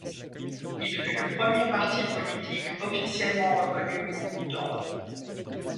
Il fut le premier parti politique officiellement reconnu au Bhoutan.